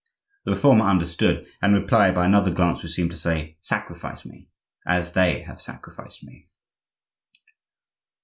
The Reformer understood, and replied by another glance, which seemed to say, "Sacrifice me, as they have sacrificed me!"